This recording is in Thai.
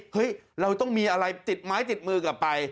เฮ้ยเราต้องมีอะไรติดไม้ติดมือกลับไป